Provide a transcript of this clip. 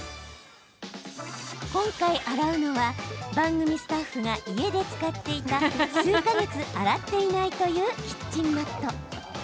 今回、洗うのは番組スタッフが家で使っていた数か月洗っていないというキッチンマット。